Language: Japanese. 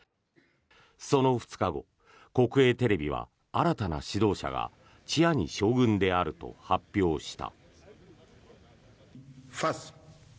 その２日後、国営テレビは新たな指導者がチアニ将軍であると発表した。